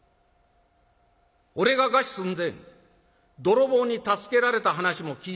俺が餓死寸前泥棒に助けられた話も聞いたか？」。